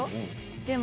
でも。